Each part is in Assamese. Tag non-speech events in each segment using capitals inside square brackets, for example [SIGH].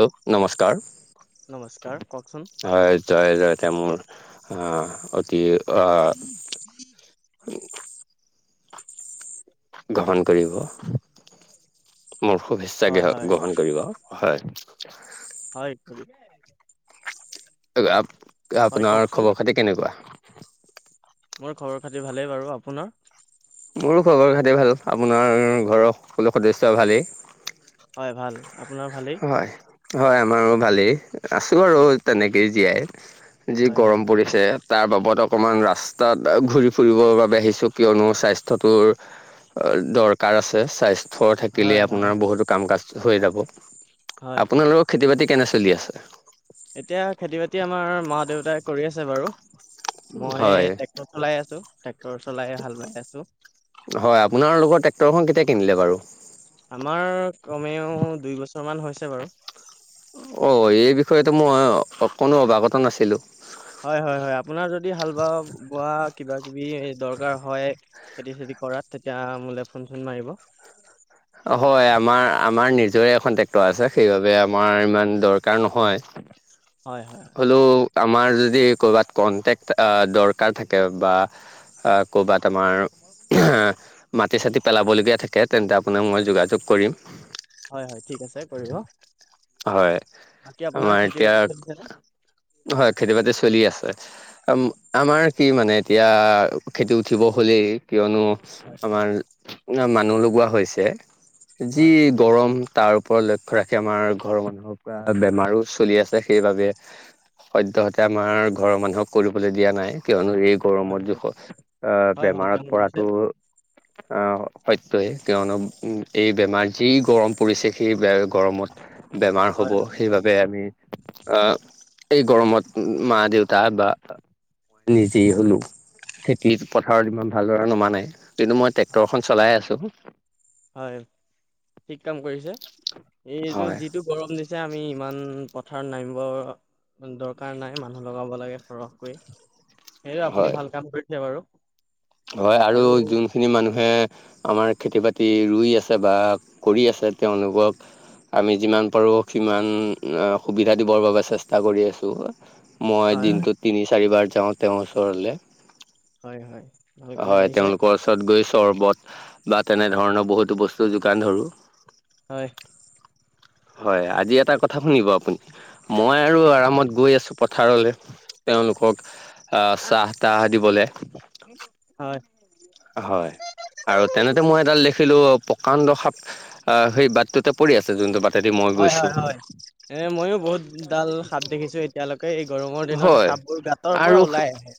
হেল্ল নমস্কাৰ নমস্কাৰ কওকচোন হয় জয় জয়। তেওঁ মোৰ আহ অতি আহ। গ্ৰহণ কৰিব। মোৰ শুভেচ্ছা হয় হয় গ্ৰহণ কৰিব হয়। হয় কৰি আপোনাৰ কওকচোন খবৰ খাতি কেনেকুৱা? মোৰ খবৰ খাতিৰ ভালেই বাৰু আপোনাৰ? মোৰো খবৰ ঘাতে ভাল আপোনাৰ ঘৰৰ সকলো সদস্য় ভালেই। হয় ভাল আপোনাৰ ভালেই হয় হয় আমাৰো ভালেই আছো আৰু হয় তেনেকেই জীয়াই যি হয় গৰম পৰিছে। তাৰ বাবদ অকমান ৰাস্তাত ঘূৰি ফুৰিবৰ বাবে আহিছো কিয়নো স্বাস্থ- স্থ্যটো দৰকাৰ আছে স্বাস্থ্য হয় থাকিলেই হয় হয় আপোনাৰ বহুতো কাম কাজ হৈ যাব। হয় আপোনালোকৰ খেতি বাতি কেনে চলি আছে? এতিয়া খেতি বাতি আমাৰ মা দেউতাই কৰি আছে বাৰু মই হয় ট্ৰেক্টৰ চলাই আছো। ট্ৰেক্টৰ চলাই হাল বাই আছো হয় আপোনাৰ লগৰ ট্ৰেক্টৰখন কেতিয়া কিনিলে বাৰু আমাৰ কমেও দুই বছৰ মান হৈছে বাৰু। অ এই বিষয়তো মই অ কোনো অৱাগত নাছিলো হয় হয় হয় আপোনাৰ যদি হাল বোৱা বোৱা কিবা কিবি দৰকাৰ হয় খেতি চেতি কৰাত তেতিয়া মোলে ফোন চোন মাৰিব। হয় আমাৰ আমাৰ নিজৰে এখন ট্ৰেক্টৰ আছে সেইবাবে আমাৰ ইমান দৰকাৰ নহয়। হয় হয়। হ'লেও আমাৰ যদি ক'ৰবাত কন্টেক্ট দৰকাৰ থাকে বা। আহ কৰ'বাত আমাৰ মাটি চাটি পেলাবলগীয়া থাকে তেন্তে আপোনাৰ মই যোগা যোগ কৰিম। হয় হয় ঠিক আছে কৰিব হয় বাকী আপোনাৰ আমাৰ খেতি এতিয়া বাতি চলিছে ন। উ হয় খেতি বাতি চলি আছে আমাৰ কি মানে এতিয়া খেতি উঠিব হ'লেই। কিয়নো আমাৰ মানুহ লগোৱা হৈছে যি হয়, গৰম। তাৰ ওপৰত লক্ষ্য ৰাখি আমাৰ ঘৰৰ মানুহৰ পৰা বেমাৰো চলি আছে সেইবাবে। সদ্য়হতে আমাৰ ঘৰৰ মানুহক কৰিবলৈ দিয়া নাই। কিয়নো এই হয়, গৰমত হয়, জোখ আহ হয়, ভাল কাম বেমাৰত কৰিছে। পৰাটো। আহ সত্য়য়ে কিয়নো উ এই বেমাৰ যি গৰম পৰিছে সেই ব। গৰমত বেমাৰ হয়, হ'ব হয়, সেইবাবে আমি আহ। এই গৰমত মা দেউতা বা মই নিজেই হলো খেতিত পথাৰত ইমান ভালদৰা নম নাই কিন্তু মই হয়, ট্ৰেক্টৰখন চলাই আছো হয় ঠিক কাম কৰিছে এইটো হয় যিটো গৰম দিছে আমি। ইমান পথাৰত নামিব দৰকাৰ নাই মানুহ লগাব লাগে সৰহকৈ। সেই আপুনি হয় ভাল কাম কৰিছে বাৰু। হয় আৰু যোনখিনি মানুহে। আমাৰ খেতি বাতি ৰুই আছে বা কৰি আছে তেওঁলোকক। আমি যিমান পাৰো সিমান সুবিধা দিবৰ বাবে চেষ্টা কৰি আছো। মই হয়, হয়, দিনটো তিনি চাৰিবাৰ যাওঁ তেওঁৰ ওচৰলৈ। হয় হয় ভাল কাম হয় কৰিছে। তেওঁলোকৰ ওচৰত গৈছ চৰ্বত বা তেনেধৰণৰ বহুতো বস্তু যোগান ধৰোঁ হয় হয় আজি এটা কথা শুনিব আপুনি মই আৰু হয়, আৰামত গৈ আছো পথাৰলে তেওঁলোকক আহ চাহ তাহ দিব লে হয় হয় আৰু তেনেতে মই এডাল দেখিলো প্ৰকাণ্ড সাপ আহ সেই বাটটোতে পৰি আছে যোনটো বাটেদি মই হয়, গৈছো হয়, এ ময়ো বহুত ডাল সাপ দেখিছো এতিয়ালৈকে গৰমৰ দিনত হয় সাপবোৰ গাঁতৰ পৰা আৰু ওলাই আহে।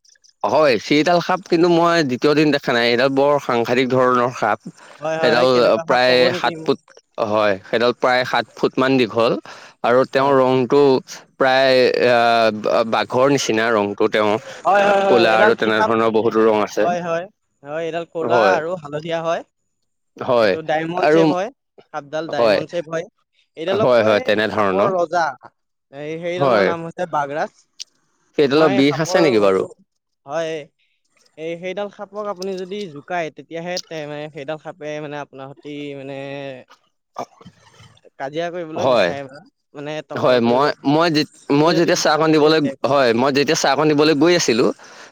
হয় সেই ডাল সাপ হয়, কিন্তু মই দ্বিতীয় দিন দেখা নাই এইডাল বৰ সাংঘাতিক ধৰণৰ সাপ হয়, হয়, সেইডাল কেনেকুৱা সাপ প্ৰায় ক'ব নেকি সাত মোক? ফুট হয় সেইডাল প্ৰায় সাত ফুট। মান দীঘল আৰু তেওঁৰ হয়, ৰংটো প্ৰায়। বাঘৰ নিচিনা ৰং। ত তেওঁ হয়, হয়, হয়, কলা আৰু এডাল কি সাপ তেনেধৰণৰ বহুতো ৰং আছে হয় হয়। ধুনীয়া হয় হয় এইটো ডায়মণ্ড আৰু চেভ হয় সাপডাল হয় ডায়মণ্ড চেভ হয়। এইডালক হয় কয় হয় সাপৰ তেনেধৰণৰ ৰজা এই সেইডালৰ হয় নাম হৈছে বাঘৰাজ। সেইডালৰ বিষ আছে নেকি বাৰু হয় এই সেই সেইডাল সাপক আপুনি যদি জোকাই তেতিয়াহে তে মানে সেইডাল সাপে মানে আপোনাৰ সতি মানে [INAUDIBLE] কাজিয়া কৰিবলৈ হয় বিচাৰে বা মানে তকৰ হয় কৰিব মই মই যে আপুনি মই যদি যেতিয়া দিষ্ট্ৰব চাহকণ দিবলৈ নিদিয়ে একো নাই হয় মই যেতিয়া চাহকণ দিবলৈ গৈ আছিলো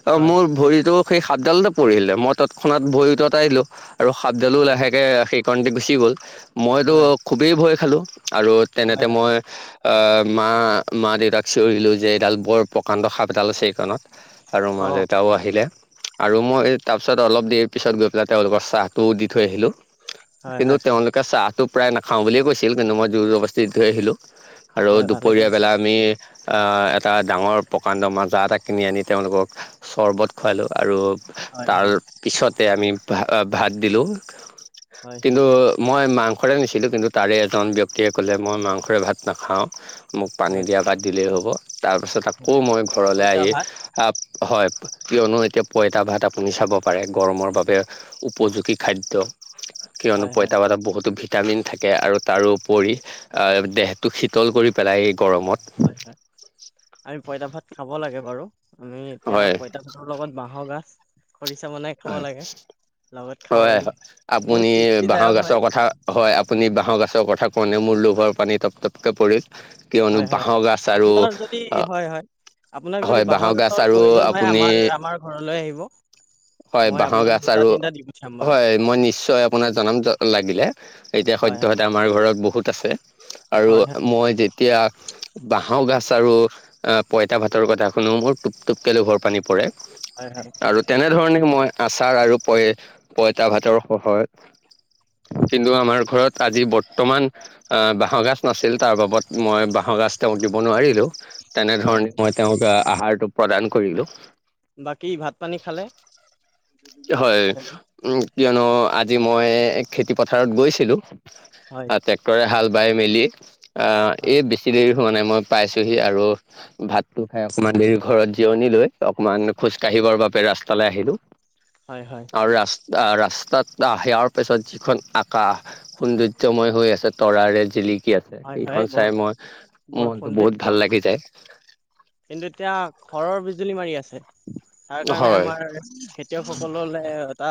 ত হয় মোৰ ভৰিতো সেই সাতডালতে পৰিলে ম তৎক্ষণাত ভৰি অতাই দিলো আৰু সাপডালো হয় লাহেকে সেইকন দি গুচি গ'ল মইতো হয় খুবেই ভয় খালো আৰু তেনেতে হয় হয় মই আহ মা মা দেউতাক চিঞৰিলো যে এইডাল বৰ প্ৰকাণ্ড সাপ এডাল আছে এইকণত আৰু মা অ দেউতাও আহিলে আৰু মই তাৰ পিছত অলপ দেৰি পিছত গৈ পেলাই তেওঁলোকৰ চাহটোও দি থৈ আহিলো হয় কিন্তু হয় তেওঁলোকে চাহটো প্ৰায় নাখাও বুলিয়ে কৈছিল কিন্তু মই জোৰ জৱস্থি দি থৈ আহিলো আৰু হয় ভালেই কৰিছে দুপৰীয়াবেলা আমি আ এটা ডাঙৰ প্ৰকাণ্ডৰ মাজা এটা কিনি আনি তেওঁলোকক চৰ্বত খোৱালোঁ আৰু হয় তাৰ হয় পিছতে আমি ভাত দিলো হয় কিন্তু মই মাংসৰে নিছিলো কিন্তু তাৰে এজন ব্যক্তিয়ে ক'লে মই মাংসৰে ভাত নাখাওঁ মোক পানী হয় দিয়া ভাত দিলেই হ'ব তাৰপিছত আকৌ হয় মই ঘৰলৈ পইতা আহি ভাত হয় কিয়নো এতিয়া পইতা ভাত আপুনি চাব পাৰে গৰমৰ বাবে উপযোগী খাদ্য কিয়নো হয় হয় পঁইতা বহুতো ভিটামিন থাকে আৰু তাৰোপৰি দেহটো শীতল কৰি পেলাই গৰমত হয় হয় আমি পইতা ভাত খাব লাগে বাৰু আমি এতিয়া হয় পইতা ভাতৰ লগত বাঁহৰ গাজ খৰিচা বনাই খাব হয় লাগে লগত হয় খাৱলি আপুনি বহুত বাহৰ তৃপ্তিদায়ক হয় গাজৰ কথা হয় আপুনি বাঁহৰ গাজৰ কথা কোৱানে মোৰ লোভৰ পানী টপটপকৈ পৰিল কিয়নো হয় হয় বাঁহৰ গাজ আৰু আপোনাৰ যদি অহ হয় হয় আপোনাক যদি হয় বাঁহৰ গাজ গাজৰ আৰু প্ৰয়োজন হয় আপুনি আমাৰ আমাৰ ঘৰলৈ আহিব হয় মই বাঁহৰ আপোনাক গাজ দুটা আৰু তিনিটা দি পঠিয়াম বাৰু হয় মই নিশ্চয় আপোনাক জনাম লাগিলে এতিয়া হয় সদ্যহতে আমাৰ ঘৰত বহুত আছে আৰু হয় হয় মই যেতিয়া বাঁহৰ গাজ আৰু পঁইতা ভাতৰ কথা শুনো মোৰ টোপ টোপকে লোভৰ পানী পৰে হয় হয় আৰু তেনেধৰণে মই আচাৰ আৰু প পঁইতা ভাতৰ সহায়ত কিন্তু আমাৰ ঘৰত আজি বৰ্তমান আহ বাঁহৰ গাজ নাছিল তাৰ বাবত মই বাঁহৰ গাজ তেওঁক দিব নোৱাৰিলো হয় তেনেধৰণে হয়। মই তেওঁক আহাৰতো প্ৰদান কৰিলো বাকী ভাত পানী খালে হয় হেল্ল' উ কিয়নো আজি মই খেতি পথাৰত গৈছিলো হয় ট্ৰেক্টৰে হাল বাই মেলি আহ হয় এই বেছি দেৰি। মানে মই পাইছোহি আৰু ভাতটো খাই অকমান দেৰি ঘৰত জিৰণি লৈ অকনমান খোজকাঢ়ি। ৰ বাবে ৰাস্তালৈ আহিলো। হয় হয়। আহ ৰাস্তাত সেৱাৰ পিছত যিখন আকাশ সৌন্দৰ্যময় হৈ আছে তৰাৰে জিলিক। কি আছে হয় হয় সেইখন বহুত চাই মই মনটো বহুত ভাল লাগি যায়। কিন্তু এতিয়া ঘৰৰ বিজুলী মাৰি আছে। তাৰ কাৰণে হয় আমাৰ খেতিয়কসকললে এটা।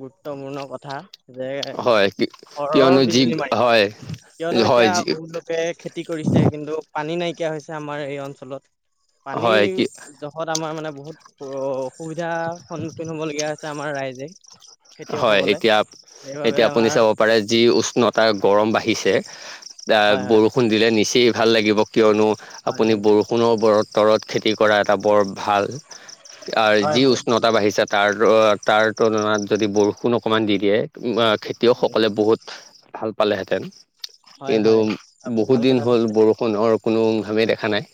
গুৰুত্বপূৰ্ণ কথা যে হয় কি ঘৰৰ কিয়নো যি বিজুলী মাৰিছে হয় কিয়নো এতিয়া হয় যি বহুত লোকে খেতি কৰিছে কিন্তু পানী নাই। হৈছে আমাৰ এই অঞ্চলত পানীৰ হয় কি জখত আমাৰ মানে বহুত অ অসুবিধা। সবিধা সন্মুখীন হব লগীয়া আছে আমাৰ ৰাইজে। হয় খেতিয়কসকলে এতিয়া। সেইবাবে এতিয়া আপুনি আমাৰ চাব পাৰে যি উষ্ণতা গৰম বাঢ়িছে এ হয় হয় বৰষুণ দিলে নিচেই। ভাল লাগিব কিয়নো হয় আপুনি বৰষুণৰ বৰত তৰত খেতি কৰা এটা বৰ ভাল। হয় যি হয় উষ্ণতা বাঢ়িছে তাৰ তাৰ তুলনাত। যদি বৰষুণ অকণমান দি দিয়ে হয় খেতিয়কসকলে বহুত ভাল পালেহেঁতেন। হয় কিন্তু হয় আপুনি বহুত ভাল দিন কথা হ'ল কৈছে বৰষুণৰ কোনো ঘামেই দেখা নাই।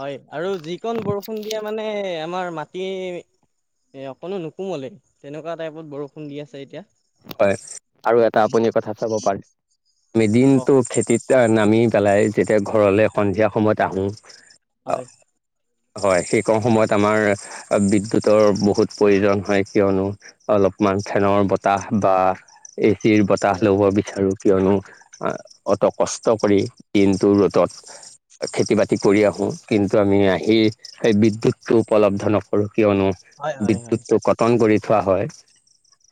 হয় আৰু যিকণ বৰষুণ দিয়া মানে আমাৰ মাটি। এ অকণো নুকোমলে তেনেকুৱা টাইপত বৰষুণ দি আছে এতিয়া। হয় আৰু এটা আপুনি কথা চাব পাৰে আমি অ দিনটো খেতিত। নামি পেলাই যেতিয়া ঘৰলৈ সন্ধিয়া সময়ত আহোঁ। হয় হয় সেই কম সময়ত আমাৰ বিদ্যুতৰ বহুত প্ৰয়োজন হয় কিয়নো অলপমান। ফেনৰ বতাহ বা এ চিৰ বতাহ হয় ল'ব হয় বিচাৰো। কিয়নো অত কষ্ট কৰি দিনটো ৰোদত। খেতি বাতি কৰি আহো কিন্তু আমি আহি সেই বিদ্যুতটো উপলব্ধ নকৰোঁ। কিয়নো হয় হয় হয় বিদ্যুতটো কটন কৰি থোৱা হয়।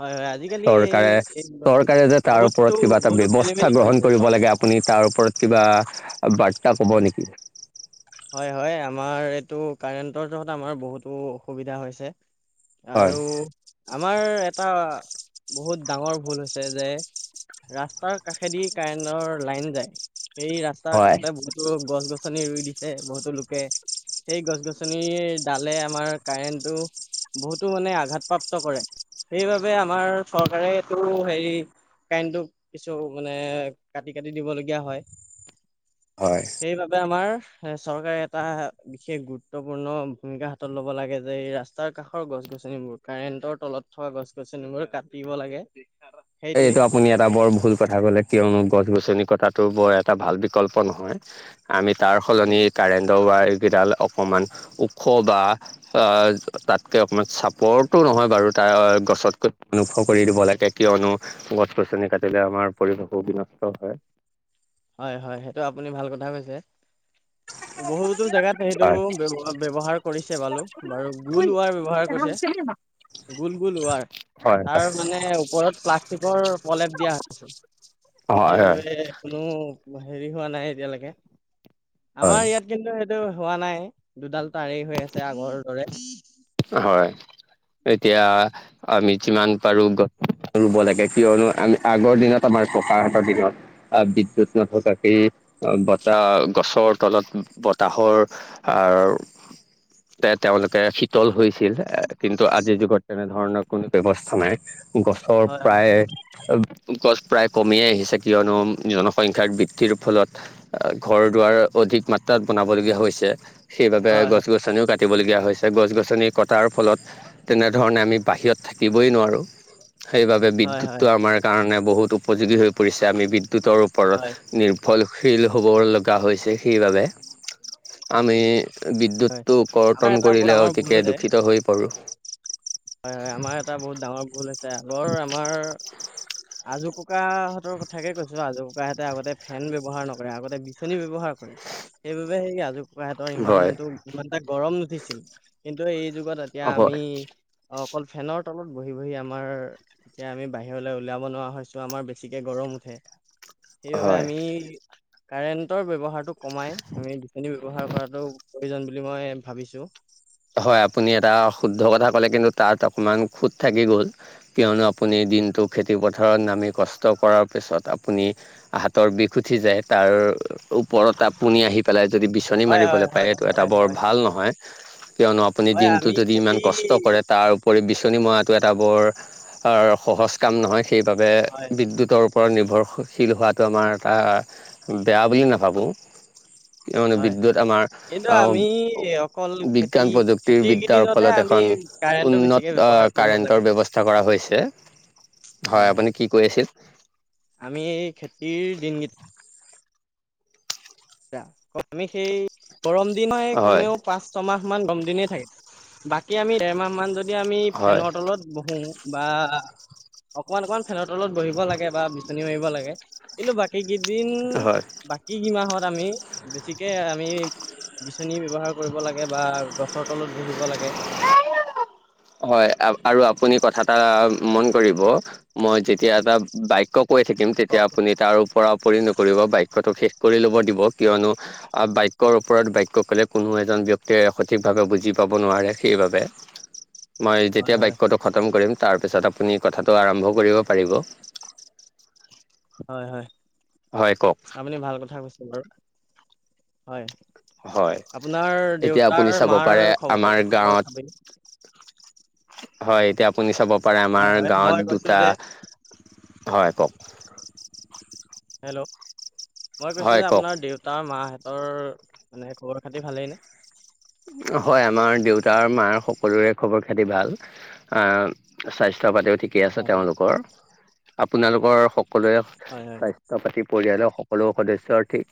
হয় হয় আজিকালি এই চৰকাৰে এই চৰকাৰে যে তাৰ বহুতো ওপৰত কিবা এটা বহুতো খেলি ব্যৱস্থা মেলি গ্ৰহণ কৰিছে কৰিব লাগে চৰকাৰে আপুনি তাৰ ওপৰত। কিবা বাৰ্তা ক'ব নেকি। হয় হয় আমাৰ এইটো কাৰেণ্টৰ যত আমাৰ বহুতো অসুবিধা হৈছে। হয় আৰু আমাৰ। এটা বহুত ডাঙৰ ভুল হৈছে যে। ৰাস্তাৰ কাষেদি কাৰেণ্টৰ লাইন যায়। সেই ৰাস্তাৰ হয় কাষতে বহুতো গছ গছনি ৰুই দিছে বহুতো লোকে। সেই গছ গছনিৰ ডালে আমাৰ কাৰেণ্টটো। বহুতো মানে আঘাতপ্ৰাপ্ত কৰে সেইবাবে আমাৰ চৰকাৰে এইটো হেৰি। কাৰেণ্টো কিছু মানে কাটি কাটি দিবলগীয়া হয়। হয় সেইবাবে আমাৰ। চৰকাৰে এটা বিশেষ গুৰুত্বপূৰ্ণ ভূমিকা হাতত ল'ব লাগে যে এই ৰাস্তাৰ কাষৰ গছ গছ। গছনিবোৰ কাৰেণ্টৰ তলত থকা গছ গছনিবোৰ কাটিব লাগে। এই সেইটোৱেই এইটো আপুনি এটা বৰ ভুল কথা কলে কিয়নো গছ গছ। গছনি কতাটো বৰ এটা ভাল বিকল্প নহয় আমি তাৰ সলনি কাৰেন্ট। কেইডাল অকণমান ওখ বা তাতকৈ অকণমান চাপৰ্টো নহয় বাৰু। তাৰ গছতকৈ অনুভ কৰি দিব লাগে কিয়নো। গছ গছনি কাটিলে আমাৰ পৰিৱেশো বিনষ্ট হয়। হয় হয় সেইটো আপুনি ভাল কথা কৈছে। বহুতো জেগাত সেইটো হয় ব ব্যৱহাৰ কৰিছে বালু বাৰু গুল ৱাৰ ব্যৱহাৰ কৰিছে। গুল গুল উয়াৰ। হয় তাৰ মানে ওপৰত প্লাষ্টিকৰ পলেপ দিয়া হৈ হয় হয় সেইবাবে। কোনো হেৰি হোৱা নাই এতিয়ালৈকে হয়। আমাৰ ইয়াত কিন্তু সটো হোৱা নাই দুডাল তাৰেই হৈ আছে আগৰ দৰে হয় এতিয়া আমি যিমান পাৰোঁ ৰুব লাগে কিয়নো আমি আগৰ দিনত আমাৰ ককা হঁতৰ দিনত বিদ্যুত নথকাকেই বতাহ গছৰ তলত বতাহৰ আহ তেওঁলোকে ল হৈছিল, কিন্তু আজিৰ যুগত তেনেধৰণৰ কোনো ব্যৱস্থা নাই। গছৰ হয় প্ৰায় গছ প্ৰায় কমিয়েই আহিছে কিয়নো জনসংখ্যাৰ বৃদ্ধিৰ ফলত ঘৰ যোৱাৰ অধিক মাত্রাত বনাব লগীয়া হৈছে সেই বাবে হয় গছ-গছনি কাটিব লগীয়া হৈছে। গছ - গছ আঁচনি কটাৰ ফলত তেনেধৰণে আমি বাহিৰত থাকিবই নোৱাৰোঁ। সেইবাবে হয় হয় বিদ্যুতটো হয় আমাৰ কাৰণে বহুত উপযোগী হৈ পৰিছে আমি বিদ টো তৰ ওপৰত হয় নিৰ্ভল শিল হ'ব লগা হৈছে সেইবাবে আমি বিদ্যুৎটো আমাৰ কৰ্তন এটা বহুত কৰিলে ডাঙৰ ভুল অতিকে হৈছে দূষিত হৈ পৰোঁ। হয় হয আমাৰ এটা বহুত ডাঙৰ ভুল আছে আগৰ আমাৰ আজু পু কুকাহঁতৰ কথাকে কৈছো আজু কুকাহঁতে আগতে ফেন ব্যৱহাৰ নকৰে আগতে বিচনি ব্যৱহাৰ সেইবাবে সেই আজো ককাহতৰ হয়, ইমানটো ইমান এটা গৰম নুঠিছিল কিন্তু এই আজি যুগত এতিয়া হয়। আমি অ অকল ফেনৰ তলত বহি বহি আমাৰ এতিয়া আমি বাহিৰলৈ উলিয়াব নোৱাৰা হৈছো আমাৰ বেছিকে গৰম মুঠে, সেইবাবে হয়, আমি কাৰেণ্টৰ ব্যৱহাৰটো কমাই আমি বিচনী ব্যৱহাৰ কৰাটো প্ৰয়োজন বুলি মই ভাবিছো। হয় আপুনি এটা শুদ্ধ কথা ক'লে কিন্তু তাত অকণমান খুত থাকি গ'ল কিয়নো আপুনি দিনটো খেতিপথাৰত নামি কষ্ট কৰাৰ পিছত আপুনি হাতৰ বিষ উঠি যায়। তাৰ ওপৰত আপুনি আহি পেলাই যদি বিচনী হয় হয় মাৰিবলৈ পায় হয় এইটো এটা হয় বৰ হয় ভাল হয় নহয়। কিয়নো আপুনি হয় দিনটো আমি যদি ইমান খেতি কষ্ট কৰে তাৰ উপৰি বিচনী মৰাটো এটা বৰ সহজ কাম নহয় সেইবাবে হয় বিদ্যুতৰ ওপৰত নিৰ্ভৰশীল হোৱাটো আমাৰ এটা বেয়া বুলি নাভাবোঁ কিয়নো হয় বিদ্যুত আমাৰ কিন্তু আহ আমি অকল খেতি বিজ্ঞান খেতিৰ প্ৰযুক্তিবিদ্যাৰ কেইদিনতহে ফলত আমি এখন কাৰেণ্টটো বেছিকে উন্নত ব্যৱহাৰ কৰিব লাগে। কাৰেণ্টৰ ব্যৱস্থা কৰা হৈছে হয়, আপুনি কি কৈ আছিল আমি খেতিৰ দিনকি আমি সেই গৰম দিন হে হয় কমেও পাঁচ ছয় মাহ মান গৰম দিনে হৈ, বাকী আমি দেৰমাহ মান যদি আমি হয় ফেনৰ তলত বহো বা অকণমান অকণমান ফেনৰ তলত বহিব লাগে বা বিচনী মাৰিব লাগে কিন্তু বাকী কেইদিন হয় বাকী কেইমাহত আমি বেছিকে আমি বিচনী ব্যৱহাৰ কৰিব লাগে বা গছৰ তলত বহিব লাগে। হয় আৰু আপুনি কথা এটা মন কৰিব মই যেতিয়া এটা বাক্য কৈ থাকিম তেতিয়া হয় আপুনি তাৰ ওপৰা ওপৰি নকৰিব বাক্যটো শেষ কৰি ল'ব দিব কিয়নো বাক্যৰ ওপৰত বাক্য ক'লে কোনো এজন ব্যক্তিয়ে সঠিকভাৱে বুজি পাব নোৱাৰে সেইবাবে মই যেতিয়া হয় বাক্যটো খতম কৰিম তাৰ পাছত আপুনি কথাটো আৰম্ভ কৰিব পাৰিব। হয় হয় হয় কওক। আপুনি ভাল কথা বাৰু হয় হয় আপোনাৰ এতিয়া আপুনি চাব পাৰে দেউতাৰ-মাৰ আমাৰ খবৰ গাঁৱত খবৰ হয়, এতিয়া আপুনি চাব। পাৰে, হয় আমাৰ হয় মই গাঁৱত কৈছো দুটা, যে হয় কওক। হেল্ল' মই কৈছোঁ হয় যে কওক আপোনাৰ দেউতাৰ মা হঁতৰ মানে খবৰ খাতি ভালেই নে হয় আমাৰ দেউতা মাৰ সকলোৰে খবৰ খাতি ভাল আহ স্বাস্থ্য পাতিও ঠিকে আছে হয় হয় তেওঁলোকৰ আপোনালোকৰ সকলোৱে হয় হয় স্বাস্থ্য পাতি পৰিয়ালৰ সকলো সদস্যৰ ঠিক।